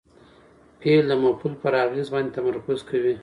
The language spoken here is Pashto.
فعل د مفعول پر اغېز باندي تمرکز کوي.